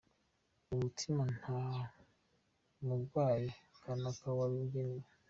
Uwo mutima nta mugwayi kanaka wari ugenewe.